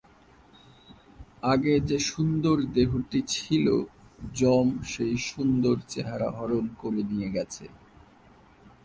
আগে যে সুন্দর দেহটি ছিলো, যম সেই সুন্দর চেহারা হরণ করে নিয়ে গেছে।